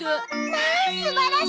まあ素晴らしい！